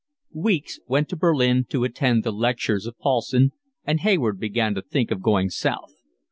Weeks went to Berlin to attend the lectures of Paulssen, and Hayward began to think of going South.